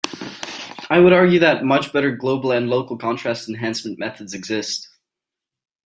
I would argue that much better global and local contrast enhancement methods exist.